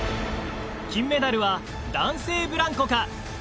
金メダルは男性ブランコか？